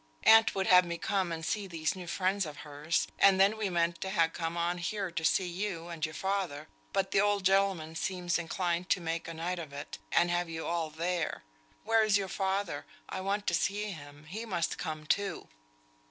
Aunt would have me come and see these new friends of hers, and then we meant to ha' come on here to see you and your father, but the old gentleman seems inclined to make a night of it, and have you all there. Where's your father? I want to see him. He must come too."